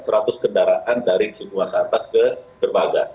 terus kendaraan dari cipuasa atas ke dermaga